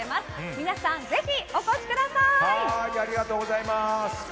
皆さん、ぜひお越しください！